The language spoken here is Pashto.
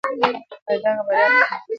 آیا دغه بریا به په سیمه کې بدلون راولي؟